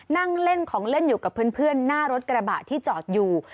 นั่งเล่นของเล่นอยู่กับเพื่อนหน้ารถกระบะที่จอดอยู่